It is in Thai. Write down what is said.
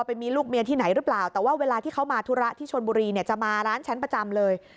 ไปมีลูกเมียที่ไหนหรือเปล่าแต่ว่าเวลาที่เขามาธุระที่ชนบุรีเนี่ยจะมาร้านฉันประจำเลย